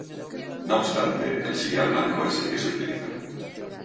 No obstante el sillar blanco es el que se utiliza.